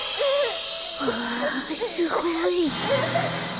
わあすごい。